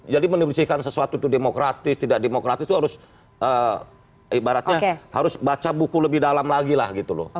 jadi mendepisihkan sesuatu itu demokratis tidak demokratis itu harus ibaratnya harus baca buku lebih dalam lagi lah gitu loh